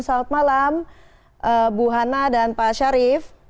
salam malam bu hanna dan pak syarif